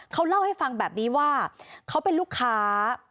เขาเล่าให้ฟังแบบนี้ว่าเขาเป็นลูกค้า